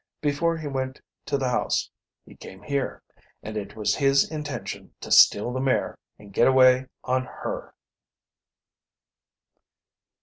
Before he went to the house he came here, and it was his intention to steal the mare and get away on her.